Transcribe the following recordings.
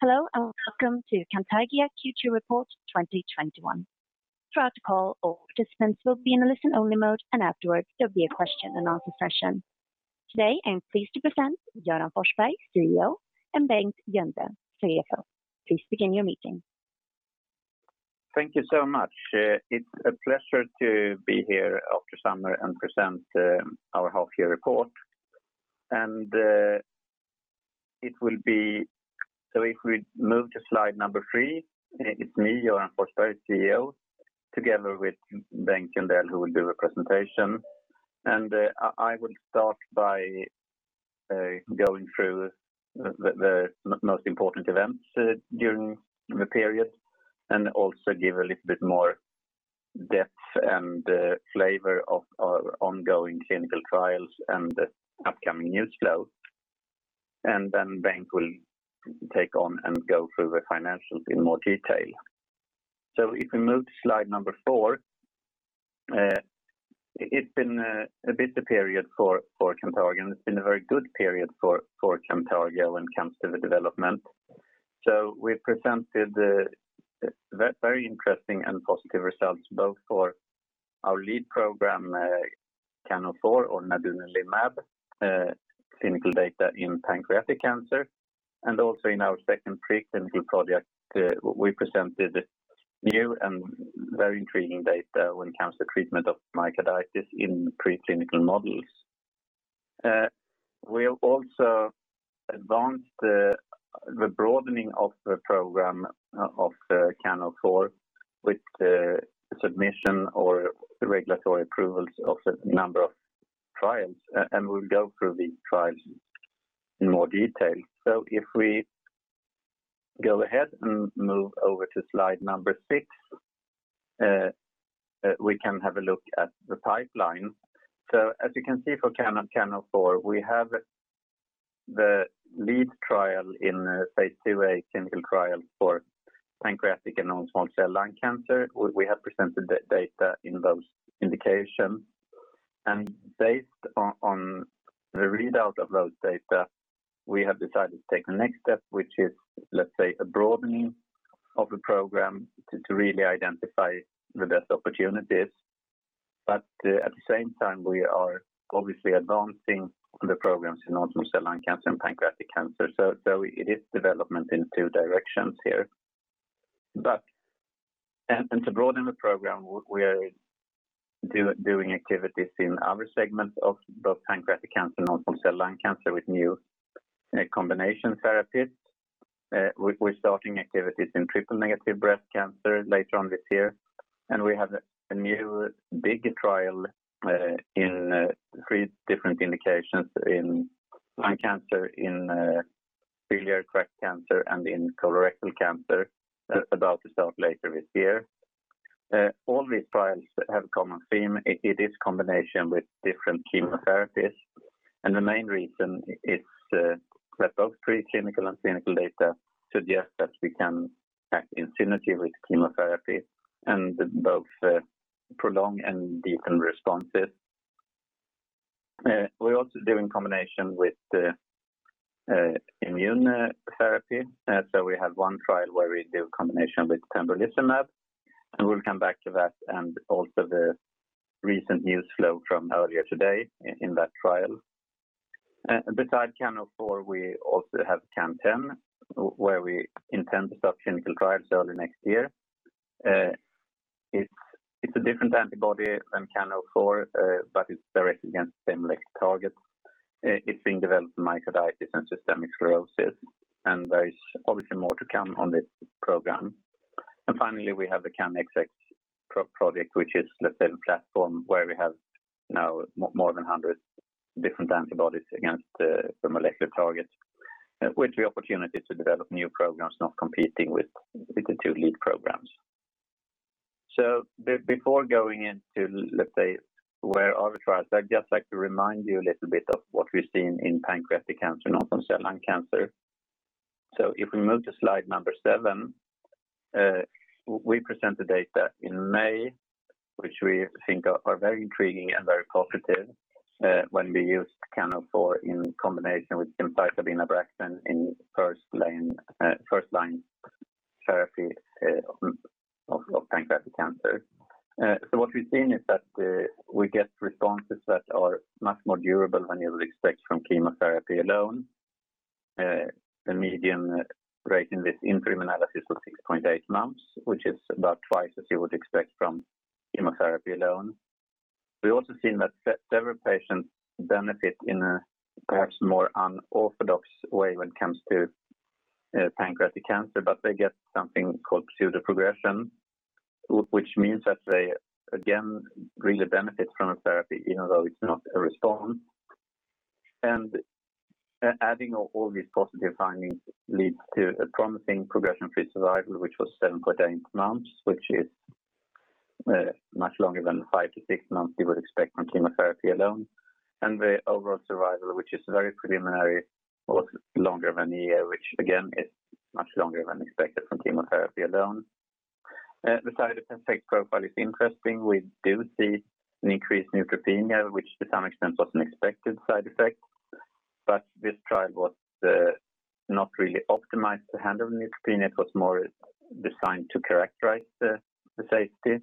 Hello, and welcome to Cantargia Q2 report 2021. Throughout the call, all participants will be in a listen-only mode, and afterwards, there'll be a question and answer session. Today, I'm pleased to present Göran Forsberg, CEO, and Bengt Jöndell, CFO. Please begin your meeting. Thank you so much. It's a pleasure to be here after summer and present our half-year report. If we move to slide three, it's me, Göran Forsberg, CEO, together with Bengt Jöndell, who will do the presentation. I will start by going through the most important events during the period, and also give a little bit more depth and flavor of our ongoing clinical trials and the upcoming news flow. Bengt will take on and go through the financials in more detail. If we move to slide number four, it's been a busy period for Cantargia, and it's been a very good period for Cantargia when it comes to the development. We presented very interesting and positive results both for our lead program CAN04 or nadunolimab clinical data in pancreatic cancer, and also in our second preclinical project, we presented new and very intriguing data when it comes to treatment of myocarditis in preclinical models. We have also advanced the broadening of the program of CAN04 with the submission or regulatory approvals of a number of trials, and we'll go through these trials in more detail. If we go ahead and move over to slide number six, we can have a look at the pipeline. As you can see for CAN04, we have the lead trial in phase II-A clinical trial for pancreatic and non-small cell lung cancer. We have presented the data in those indications. Based on the readout of those data, we have decided to take the next step, which is, let's say, a broadening of the program to really identify the best opportunities. At the same time, we are obviously advancing the programs in non-small cell lung cancer and pancreatic cancer. It is development in two directions here. To broaden the program, we are doing activities in other segments of both pancreatic cancer, non-small cell lung cancer with new combination therapies. We're starting activities in triple-negative breast cancer later on this year, and we have a new big trial in three different indications in lung cancer, in biliary tract cancer, and in colorectal cancer that's about to start later this year. All these trials have a common theme. It is combination with different chemotherapies, and the main reason is that both preclinical and clinical data suggest that we can act in synergy with chemotherapy and both prolong and deepen responses. We're also doing combination with immunotherapy. We have one trial where we do a combination with pembrolizumab, and we'll come back to that and also the recent news flow from earlier today in that trial. Beside CAN04, we also have CAN10, where we intend to start clinical trials early next year. It's a different antibody than CAN04, but it's directed against the same molecular target. It's being developed for myocarditis and systemic sclerosis, and there is obviously more to come on this program. Finally, we have the CANxx project, which is, let's say, a platform where we have now more than 100 different antibodies against the molecular target, with the opportunity to develop new programs not competing with the two lead programs. Before going into, let's say, where are the trials, I'd just like to remind you a little bit of what we've seen in pancreatic cancer, non-small cell lung cancer. If we move to slide number seven, we present the data in May, which we think are very intriguing and very positive when we used CAN04 in combination with gemcitabine ABRAXANE in first-line therapy of pancreatic cancer. What we've seen is that we get responses that are much more durable than you would expect from chemotherapy alone. The median rate in this interim analysis was 6.8 months, which is about twice as you would expect from chemotherapy alone. We've also seen that several patients benefit in a perhaps more unorthodox way when it comes to pancreatic cancer, but they get something called pseudoprogression, which means that they, again, really benefit from a therapy even though it's not a response. Adding all these positive findings leads to a promising progression-free survival, which was 7.8 months, which is much longer than the five to six months you would expect from chemotherapy alone. The overall survival, which is very preliminary, was longer than one year, which again, is much longer than expected from chemotherapy alone. The side effect profile is interesting. We do see an increased neutropenia, which to some extent was an expected side effect, but this trial was not really optimized to handle neutropenia. It was more designed to characterize the safety,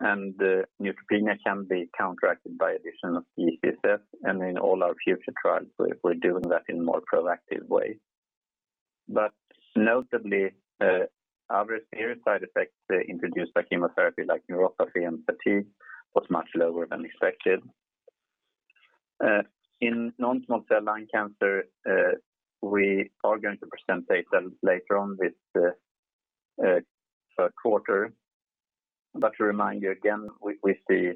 and neutropenia can be counteracted by additional G-CSF and in all our future trials, we're doing that in a more proactive way. Notably, other serious side effects introduced by chemotherapy like neuropathy and fatigue was much lower than expected. In non-small cell lung cancer, we are going to present data later on this quarter. To remind you again, we see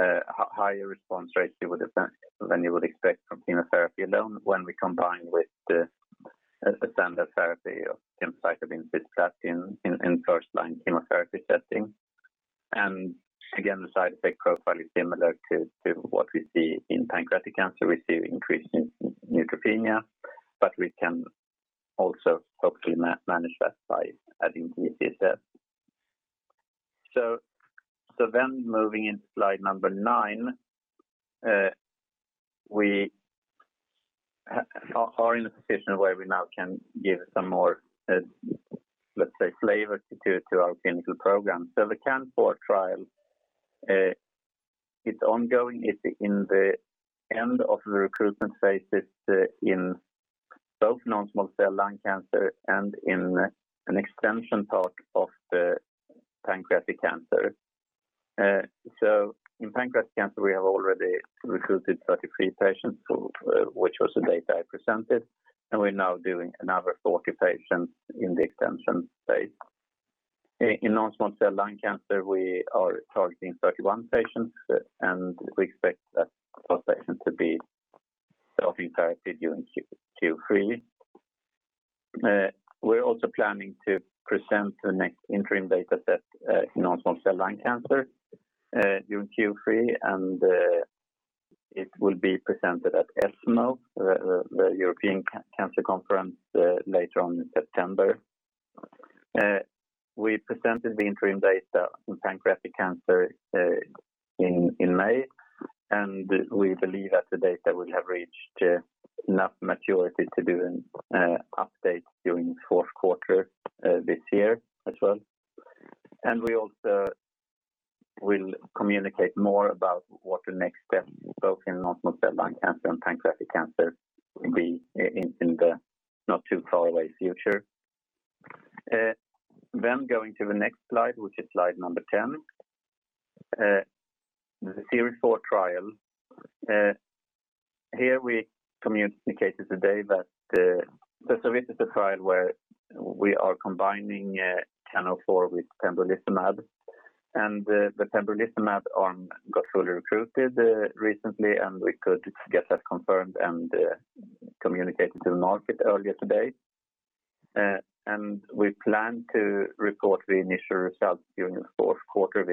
a higher response rate than you would expect from chemotherapy alone when we combine with the standard therapy of gemcitabine cisplatin in first-line chemotherapy setting. Again, the side effect profile is similar to what we see in pancreatic cancer. We see increased neutropenia, but we can also hopefully manage that by adding G-CSF. Moving into slide number nine, we are in a position where we now can give some more, let's say, flavor to our clinical program. The CAN04 trial, it's ongoing. It's in the end of the recruitment phases in both non-small cell lung cancer and in an extension part of the pancreatic cancer. In pancreatic cancer, we have already recruited 33 patients, which was the data I presented, and we're now doing another 40 patients in the extension phase. In non-small cell lung cancer, we are targeting 31 patients, and we expect that first patient to be dosed therapy during Q3. We're also planning to present the next interim data set in non-small cell lung cancer during Q3, and it will be presented at ESMO, the European cancer conference later on in September. We presented the interim data on pancreatic cancer in May, and we believe that the data will have reached enough maturity to do an update during the fourth quarter this year as well. We also will communicate more about what the next step both in non-small cell lung cancer and pancreatic cancer will be in the not-too-far-away future. Going to the next slide, which is slide number 10. The CIRIFOUR trial. Here we communicated today that this is a trial where we are combining CAN04 with pembrolizumab, and the pembrolizumab arm got fully recruited recently, and we could get that confirmed and communicated to the market earlier today. We plan to report the initial results during the fourth quarter of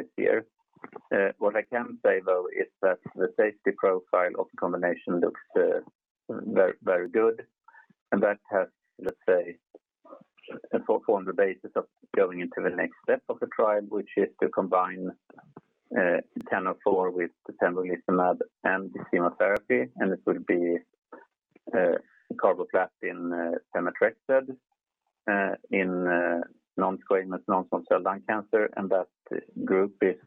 this year. What I can say, though, is that the safety profile of the combination looks very good, and that has, let's say, formed the basis of going into the next step of the trial, which is to combine CAN04 with pembrolizumab and chemotherapy, and it will be carboplatin pemetrexed in non-squamous non-small cell lung cancer, and that group is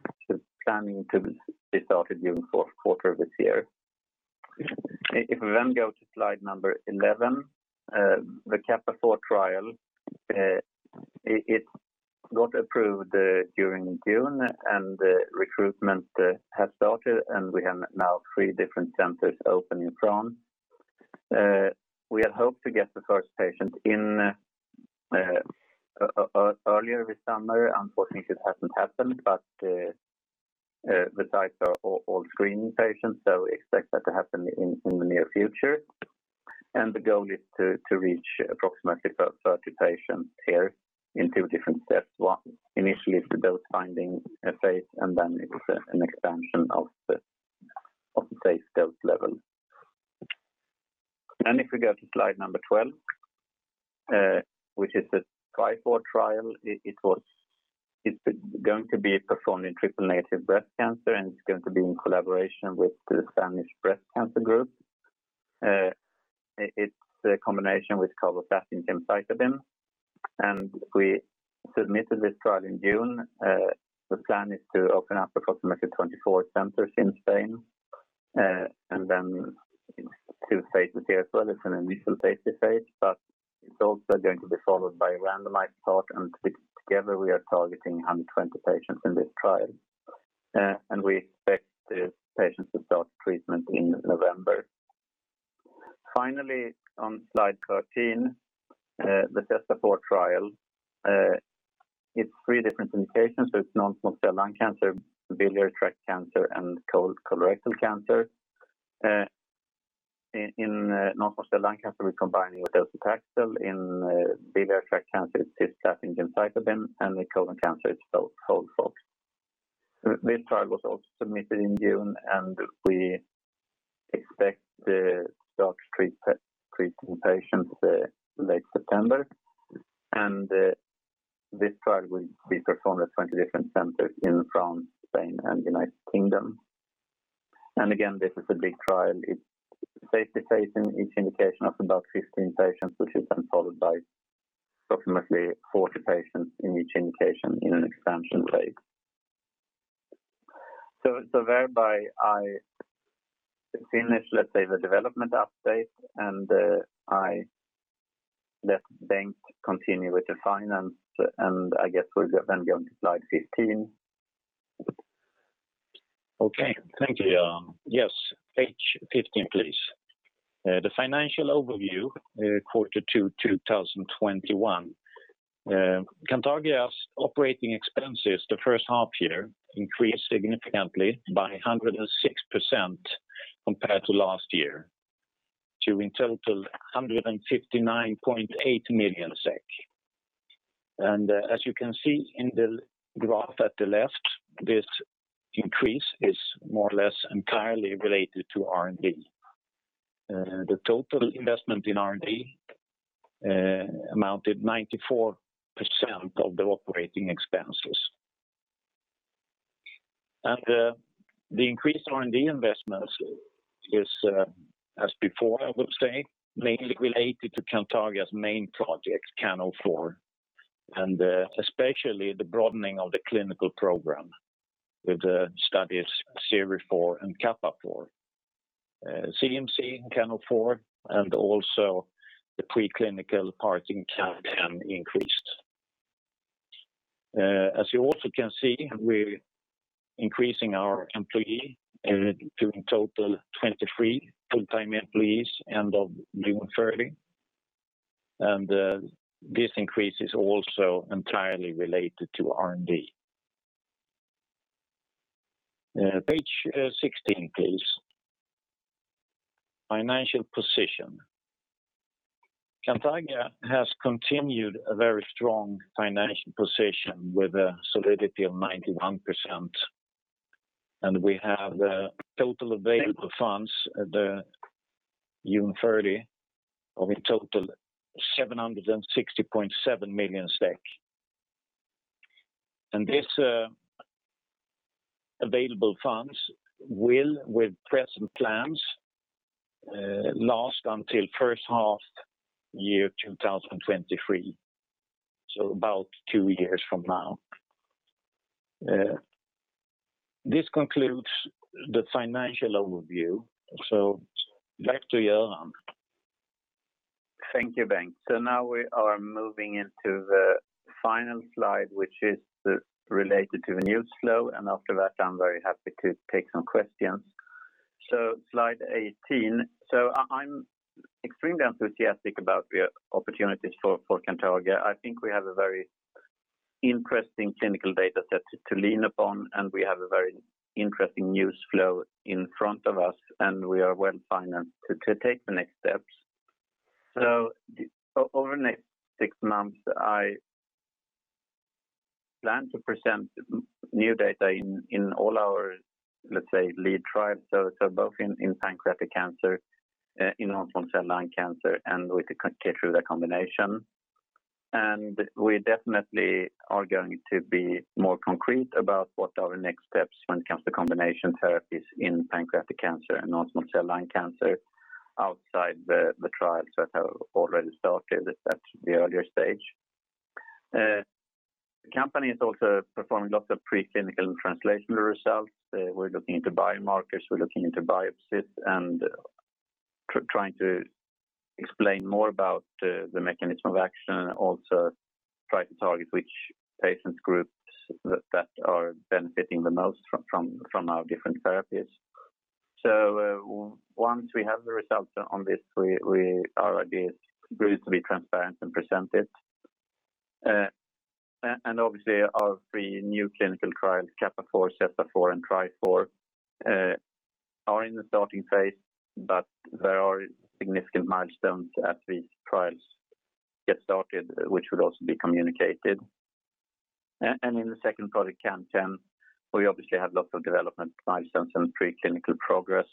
planning to be started during the fourth quarter of this year. If we go to slide number 11, the CAPAFOUR trial, it got approved during June, and recruitment has started, and we have now three different centers open in France. We had hoped to get the first patient in earlier this summer. Unfortunately, it hasn't happened, but the sites are all screening patients, so we expect that to happen in the near future. The goal is to reach approximately 30 patients here in two different steps. One initially is the dose-finding phase, and then it is an expansion of the safe dose level. If we go to slide number 12, which is the TRIFOUR trial, it is going to be performed in triple-negative breast cancer, and it is going to be in collaboration with the Spanish Breast Cancer Group. It is a combination with carboplatin gemcitabine. We submitted this trial in June. The plan is to open up approximately 24 centers in Spain, and then two phases here as well. It is an initial safety phase, but it is also going to be followed by a randomized part. Together, we are targeting 120 patients in this trial. We expect the patients to start treatment in November. Finally, on slide 13, the CESTAFOUR trial. It is three different indications. It is non-small cell lung cancer, biliary tract cancer, and colorectal cancer. In non-small cell lung cancer, we're combining with docetaxel. In biliary tract cancer, it's cisplatin gemcitabine, and in colon cancer, it's FOLFOX. This trial was also submitted in June, we expect to start treating patients late September. This trial will be performed at 20 different centers in France, Spain, and U.K. Again, this is a big trial. It's safety phase in each indication of about 15 patients, which is then followed by approximately 40 patients in each indication in an expansion phase. Thereby I finish, let's say, the development update, and I let Bengt continue with the finance, and I guess we'll then go to slide 15. Okay. Thank you, Göran. Yes, page 15, please. The financial overview Q2 2021. Cantargia’s operating expenses the first half-year increased significantly by 106% compared to last year to in total 159.8 million SEK. As you can see in the graph at the left, this increase is more or less entirely related to R&D. The total investment in R&D amounted 94% of the operating expenses. The increased R&D investments is, as before, I would say, mainly related to Cantargia’s main project, CAN04, and especially the broadening of the clinical program with the studies CIRIFOUR and CAPAFOUR. CMC in CAN04 and also the preclinical part in CAN10 increased. As you also can see, we’re increasing our employee to a total of 23 full-time employees end of June 30. This increase is also entirely related to R&D. Page 16, please. Financial position. Cantargia has continued a very strong financial position with a solidity of 91%, and we have total available funds at June 30 of in total 760.7 million. This available funds will, with present plans, last until first half year 2023, so about two years from now. This concludes the financial overview, so back to Göran. Thank you, Bengt. Now we are moving into the final slide, which is related to the news flow, and after that, I'm very happy to take some questions. Slide 18. I'm extremely enthusiastic about the opportunities for Cantargia. I think we have a very interesting clinical data set to lean upon, and we have a very interesting news flow in front of us, and we are well-financed to take the next steps. Over the next six months, I plan to present new data in all our lead trials, both in pancreatic cancer, in non-small cell lung cancer, and with the KEYTRUDA combination. We definitely are going to be more concrete about what are our next steps when it comes to combination therapies in pancreatic cancer and non-small cell lung cancer outside the trials that have already started at the earlier stage. The company is also performing lots of preclinical translational results. We're looking into biomarkers, we're looking into biopsies, and trying to explain more about the mechanism of action, also try to target which patient groups that are benefiting the most from our different therapies. Once we have the results on this, our idea is really to be transparent and present it. Obviously our three new clinical trials, CAPAFOUR, CESTAFOUR, and TRIFOUR are in the starting phase, but there are significant milestones as these trials get started, which would also be communicated. In the second product, CAN10, we obviously have lots of development milestones and preclinical progress.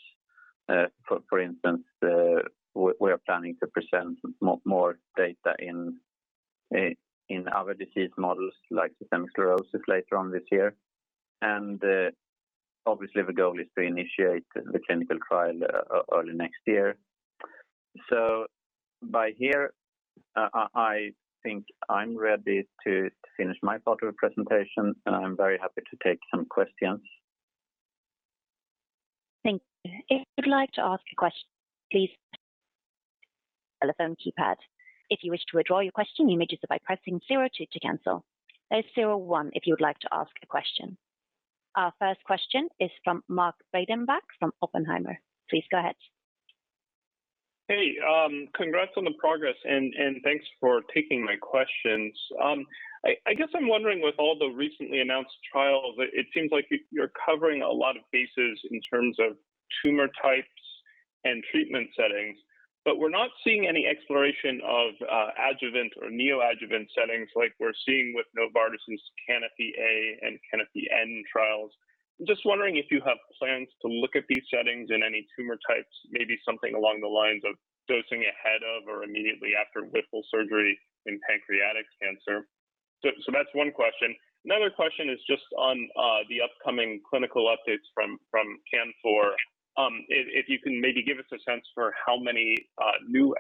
For instance, we are planning to present more data in other disease models like systemic sclerosis later on this year. Obviously the goal is to initiate the clinical trial early next year. By here, I think I'm ready to finish my part of the presentation, and I'm very happy to take some questions. Thank you. If you'd like to ask a question, please telephone keypad. If you wish to withdraw your question, you may do so by pressing zero two to cancel. That is zero one if you would like to ask a question. Our first question is from Mark Breidenbach from Oppenheimer. Please go ahead. Hey, congrats on the progress, and thanks for taking my questions. I guess I'm wondering with all the recently announced trials, it seems like you're covering a lot of bases in terms of tumor types and treatment settings, but we're not seeing any exploration of adjuvant or neoadjuvant settings like we're seeing with Novartis' CANOPY-A and CANOPY-N trials. I'm just wondering if you have plans to look at these settings in any tumor types, maybe something along the lines of dosing ahead of or immediately after Whipple surgery in pancreatic cancer. That's one question. Another question is just on the upcoming clinical updates from CAN04. If you can maybe give us a sense for how many new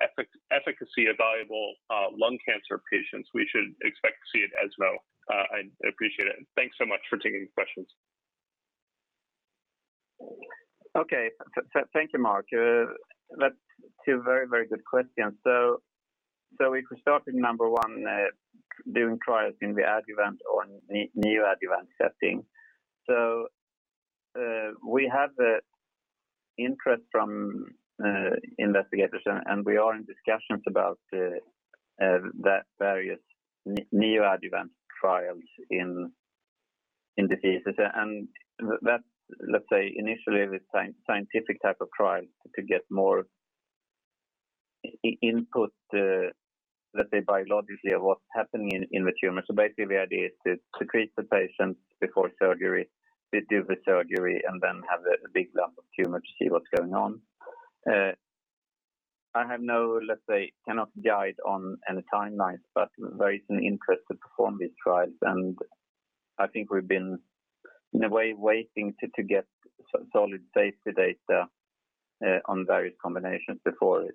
efficacy evaluable lung cancer patients we should expect to see at ESMO. I'd appreciate it. Thanks so much for taking the questions. Okay. Thank you, Mark. That's two very good questions. If we start with number 1, doing trials in the adjuvant or neoadjuvant setting. That's, let's say, initially the scientific type of trial to get more input, let's say, biologically of what's happening in the tumor. Basically, the idea is to treat the patient before surgery, they do the surgery, then have a big lump of tumor to see what's going on. I have no, let's say, cannot guide on any timelines, there is an interest to perform these trials, I think we've been, in a way, waiting to get solid safety data on various combinations before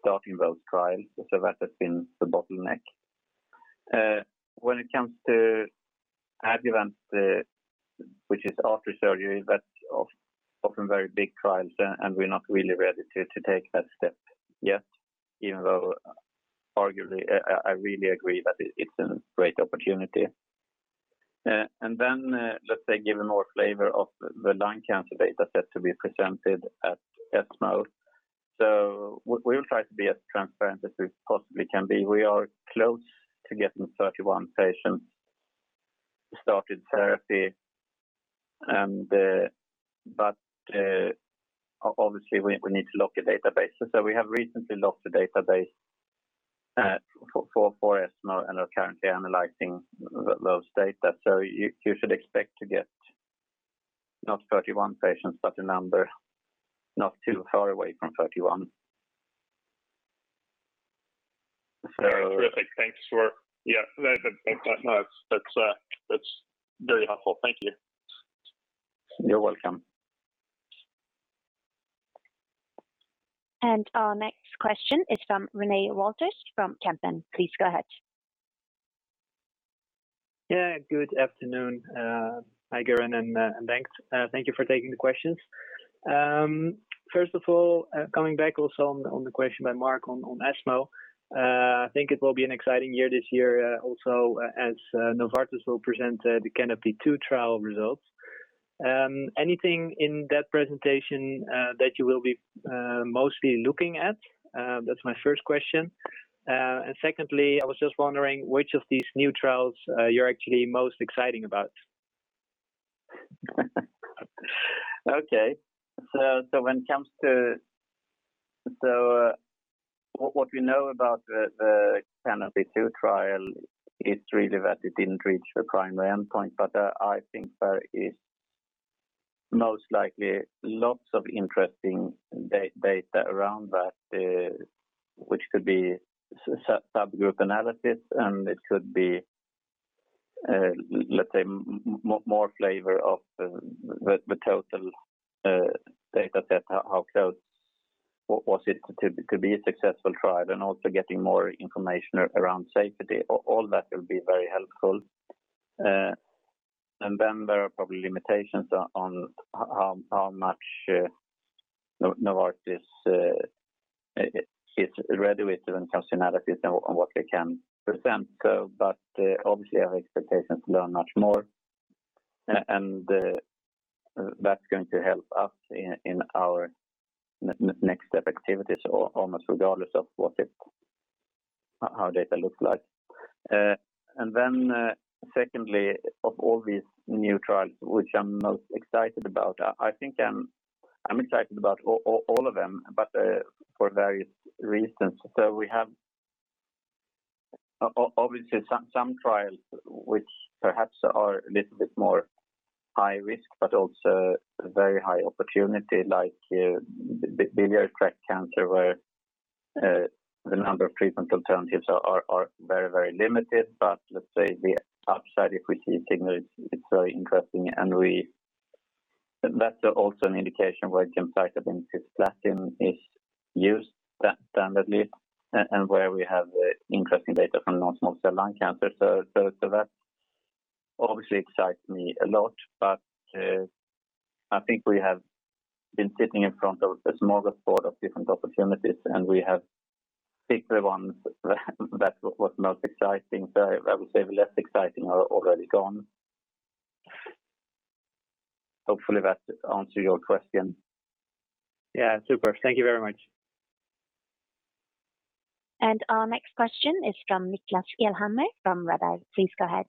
starting those trials. That has been the bottleneck. When it comes to adjuvant, which is after surgery, that's often very big trials, and we're not really ready to take that step yet, even though arguably, I really agree that it's a great opportunity. Let's say, given more flavor of the lung cancer data set to be presented at ESMO. We will try to be as transparent as we possibly can be. We are close to getting 31 patients started therapy, but obviously, we need to lock a database. We have recently locked the database for ESMO and are currently analyzing those data. You should expect to get not 31 patients, but a number not too far away from 31. Terrific. Yeah, that's very helpful. Thank you. You're welcome. Our next question is from René Wouters from Kempen. Please go ahead. Yeah, good afternoon, Göran and Bengt. Thank you for taking the questions. First of all, coming back also on the question by Mark on ESMO, I think it will be an exciting year this year also as Novartis will present the CANOPY-2 trial results. Anything in that presentation that you will be mostly looking at? That's my first question. Secondly, I was just wondering which of these new trials you're actually most excited about. Okay. What we know about the CANOPY-2 trial is really that it didn't reach the primary endpoint, but I think there is most likely lots of interesting data around that, which could be subgroup analysis, and it could be, let's say, more flavor of the total data set, how close was it to be a successful trial and also getting more information around safety. All that will be very helpful. There are probably limitations on how much Novartis is ready with when it comes to analysis and what they can present. Obviously, our expectation is to learn much more, and that's going to help us in our next step activities almost regardless of how data looks like. Secondly, of all these new trials, which I'm most excited about, I think I'm excited about all of them, but for various reasons. We have obviously some trials which perhaps are a little bit more high-risk but also very high opportunity, like biliary tract cancer, where the number of treatment alternatives are very limited. Let's say the upside, if we see a signal, it's very interesting, and that's also an indication where gemcitabine plus platinum is used standardly and where we have interesting data from non-small cell lung cancer. That obviously excites me a lot, but I think we have been sitting in front of a smaller board of different opportunities, and we have picked the ones that was most exciting. I would say the less exciting are already gone. Hopefully that answer your question. Yeah. Super. Thank you very much. Our next question is from Niklas Elmhammer from Redeye. Please go ahead.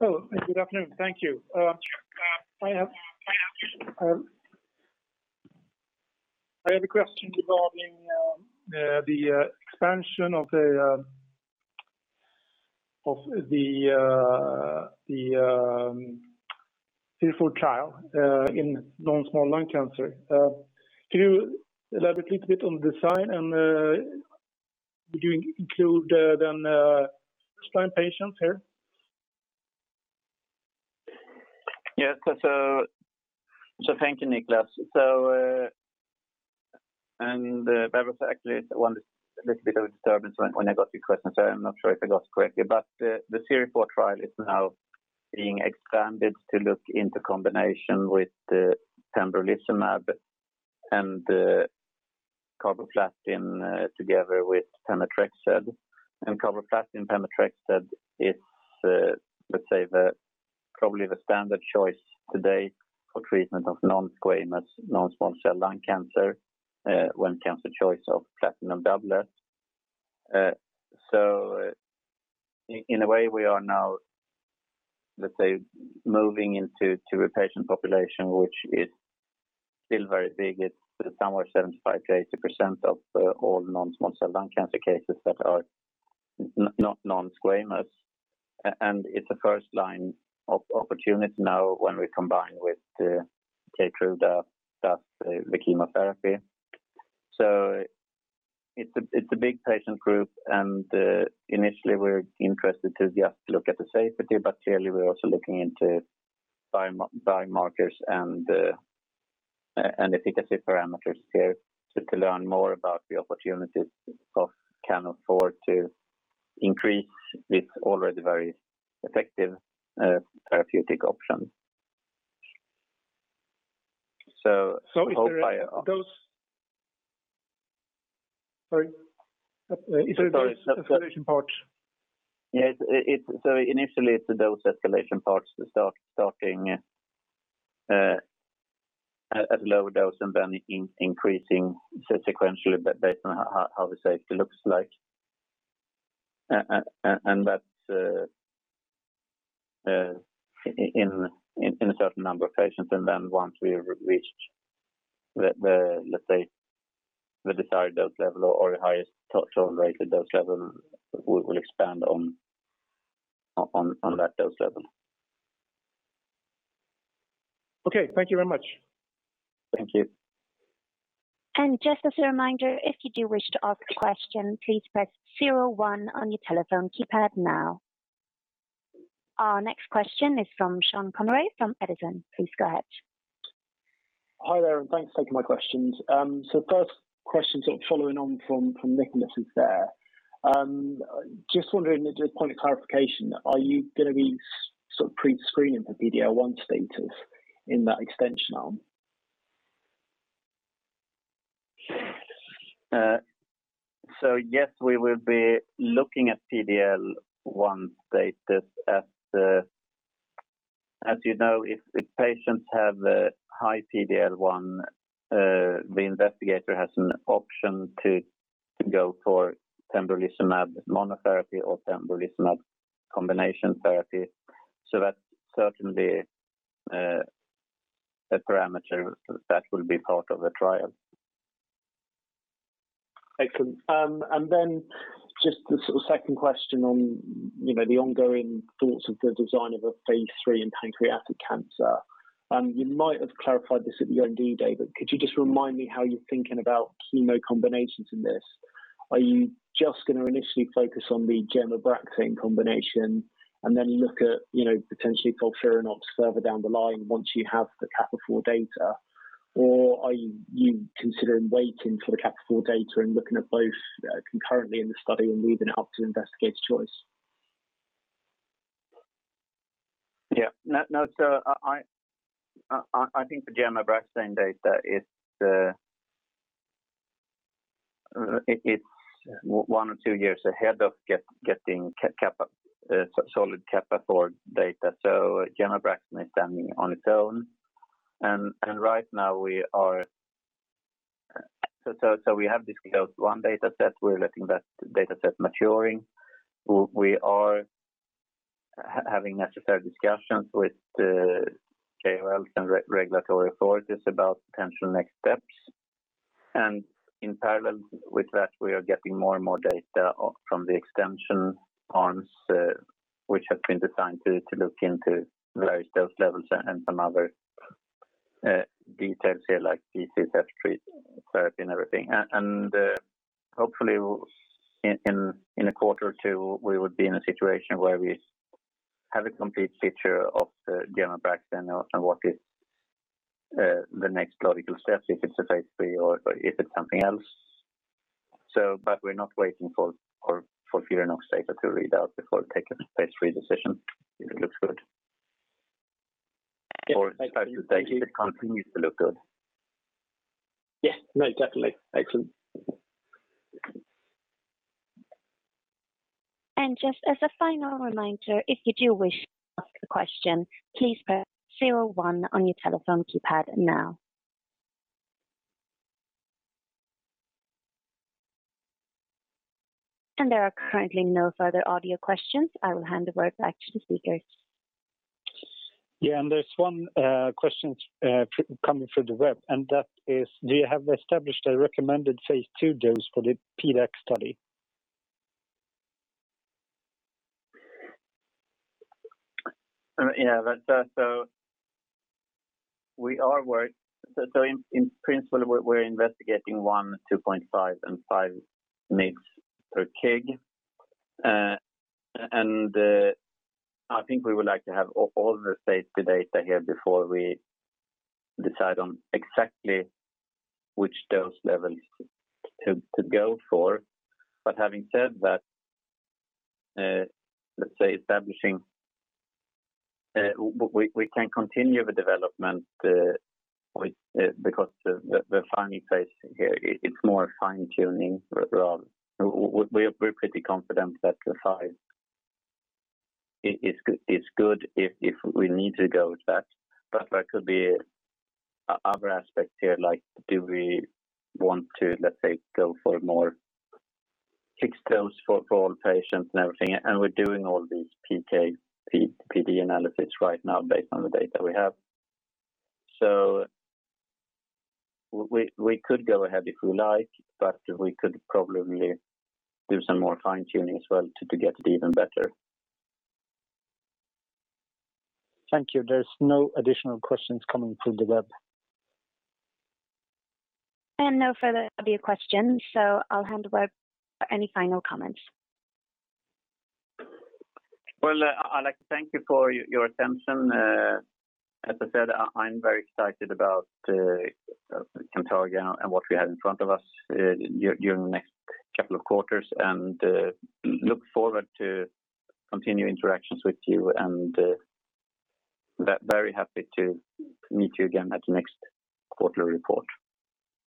Good afternoon. Thank you. I have a question regarding the expansion of the CESTAFOUR trial in non-small cell lung cancer. Can you elaborate a little bit on the design, and would you include then spine patients here? Yes. Thank you, Niklas. There was actually a little bit of a disturbance when I got your question, so I'm not sure if I got it correctly. The CIRIFOUR trial is now being expanded to look into combination with pembrolizumab and carboplatin together with pemetrexed. Carboplatin pemetrexed is, let's say, probably the standard choice today for treatment of non-squamous non-small cell lung cancer when it comes to choice of platinum doublets. In a way we are now, let's say, moving into a patient population which is still very big. It's somewhere 75%-80% of all non-small cell lung cancer cases that are non-squamous. It's a first-line opportunity now when we combine with KEYTRUDA plus the chemotherapy. It's a big patient group, and initially we were interested to just look at the safety, but clearly we are also looking into biomarkers and efficacy parameters here to learn more about the opportunities of CAN04 to increase this already very effective therapeutic option. Sorry. Is it those escalation parts? Yes. Initially it's a dose escalation part starting at a lower dose and then increasing sequentially based on how the safety looks like in a certain number of patients. Once we've reached, let's say, the desired dose level or highest tolerable dose level, we will expand on that dose level. Okay. Thank you very much. Thank you. Just as a reminder, if you do wish to ask a question, please press zero one on your telephone keypad now. Our next question is from Sean Conroy from Edison. Please go ahead. Hi there, and thanks for taking my questions. First question sort of following on from Niklas' there, just wondering, just a point of clarification, are you going to be sort of pre-screening for PD-L1 status in that extension arm? Yes, we will be looking at PD-L1 status. As you know, if patients have a high PD-L1, the investigator has an option to go for pembrolizumab monotherapy or pembrolizumab combination therapy. That's certainly a parameter that will be part of the trial. Excellent. Just the sort of second question on the ongoing thoughts of the design of a phase III in pancreatic cancer. You might have clarified this at the R&D day, could you just remind me how you're thinking about chemo combinations in this? Are you just going to initially focus on the gemcitabine/ABRAXANE combination and then look at potentially further down the line once you have the CAN04 data? Are you considering waiting for the CAN04 data and looking at both concurrently in the study and leaving it up to investigator's choice? Yeah. No, I think the ABRAXANE data, it's one or two years ahead of getting solid CAN04 data. ABRAXANE is standing on its own. Right now we have this CAN04 dataset. We're letting that dataset maturing. We are having necessary discussions with the KOL and regulatory authorities about potential next steps. In parallel with that, we are getting more and more data from the extension arms which have been designed to look into various dose levels and some other details here like G-CSF therapy and everything. Hopefully in a quarter or two, we would be in a situation where we have a complete picture of the ABRAXANE and what is the next logical steps, if it's a phase III or if it's something else. We're not waiting for FOLFIRINOX data to read out before taking a phase III decision if it looks good. Yes. Thank you. If the data continues to look good. Yes. No, definitely. Excellent. Just as a final reminder, if you do wish to ask a question, please press zero one on your telephone keypad now. There are currently no further audio questions. I will hand the word back to the speakers. Yeah, and there's one question coming through the web, and that is, do you have established a recommended phase II dose for the PDAC study? Yeah. In principle, we're investigating 1 mg, 2.5 mg, and 5 mg per kg. I think we would like to have all the phase II data here before we decide on exactly which dose level to go for. Having said that, let's say establishing We can continue the development because the finding phase here, it's more fine-tuning. We're pretty confident that the 5 mg is good if we need to go with that. There could be other aspects here, like do we want to, let's say, go for more fixed dose for all patients and everything, and we're doing all these PK/PD analysis right now based on the data we have. We could go ahead if we like, but we could probably do some more fine-tuning as well to get it even better. Thank you. There is no additional questions coming through the web. No further audio questions, so I'll hand over any final comments. Well, I'd like to thank you for your attention. As I said, I'm very excited about Cantargia and what we have in front of us during the next couple of quarters, and look forward to continued interactions with you, and very happy to meet you again at the next quarterly report.